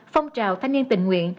phong trào thanh niên tình nguyện